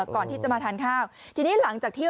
ก่อนที่จะมาทานข้าวทีนี้หลังจากที่